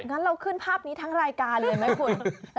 งั้นเราขึ้นภาพนี้ทั้งรายการเลยไหมคุณ